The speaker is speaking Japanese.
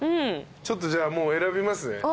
ちょっとじゃあもう選びますね